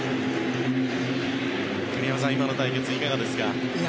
栗山さん、今の対決いかがですか？